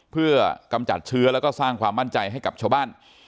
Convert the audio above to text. เพื่อกำจัดเชื้อแล้วก็สร้างความมั่นใจให้กับชาวบ้าน